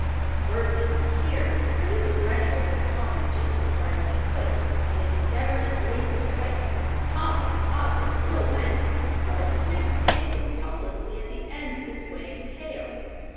Bert did not hear, for he was running over the common just as hard as he could, in his endeavor to raise the kite. Up and up it still went, with poor Snoop dangling helplessly at the end of the swaying tail.